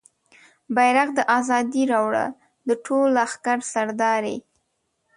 بیرغ د ازادۍ راوړه د ټول لښکر سردارې